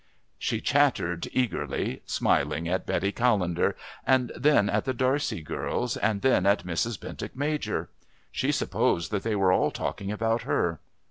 She chattered eagerly, smiling at Betty Callender, and then at the D'Arcy girls, and then at Mrs. Bentinck Major. She supposed that they were all talking about her.